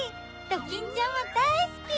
ドキンちゃんはだいすき！